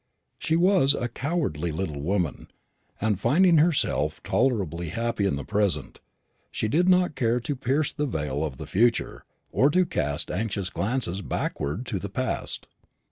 She was a cowardly little woman, and finding herself tolerably happy in the present, she did not care to pierce the veil of the future, or to cast anxious glances backward to the past.